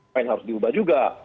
lain harus diubah juga